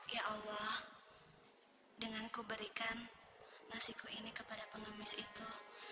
ya allah dengan kuberikan nasiku ini kepada pengumis itu